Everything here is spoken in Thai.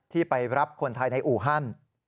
ไปรับคนไทยในอู่ฮัน